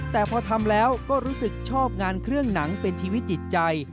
แต่พอทำแล้วก็รู้สึกชอบงานเครื่องหนังเป็นชีวิตจิตใจ